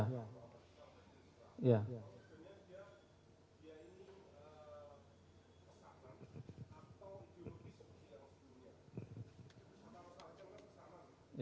kalau saya satu lagi itu dikira